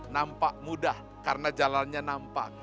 nampak mudah karena jalannya nampak